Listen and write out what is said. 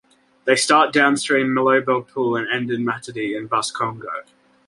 They start downstream Malebo Pool and end in Matadi in Bas-Congo.